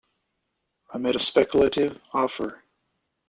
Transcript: I made a speculative offer.